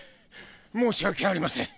申し訳ありません！